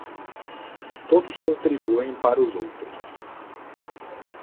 Todos contribuem para os outros